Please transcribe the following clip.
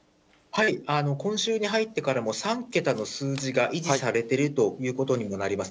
今週に入ってからも３桁の数字が維持されてるということにもなります。